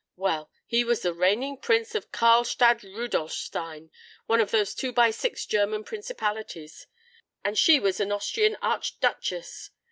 Well he was the reigning prince of Carlstadt Rudolfstein, one of those two by six German principalities, and she was an Austrian archduchess.